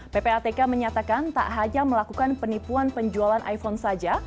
ppatk menyatakan tak hanya melakukan penipuan penjualan iphone saja